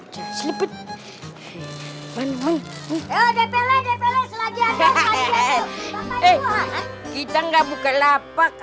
kita gak buka lapak